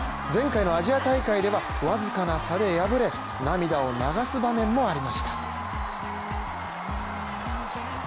前回のアジア大会では僅かな差で敗れ、涙を流す場面もありました。